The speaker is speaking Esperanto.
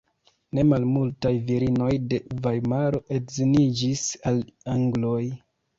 Ne malmultaj virinoj de Vajmaro edziniĝis al angloj.